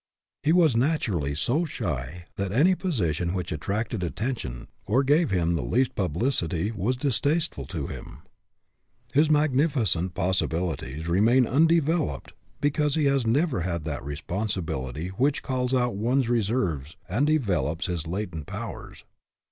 He was naturally so shy that any position which attracted attention or gave him the least pub licity was distasteful to him. His magnificent possibilities remain undeveloped because he has never had that responsibility which calls out one's reserves and develops his latent powers.